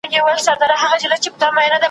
د مُلا په عدالت کي د حق چیغه یم په دار یم `